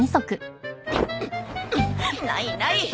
ないない！